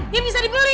dia bisa dibeli